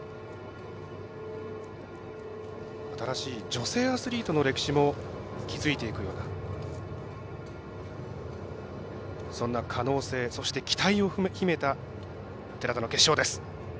新しい女性アスリートの歴史も築いていくような、そんな可能性そして期待を秘めた寺田の決勝です。